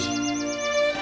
dia berpamitan kepada pelayan